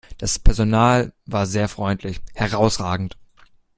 Das Personal war sehr freundlich, herrausragend!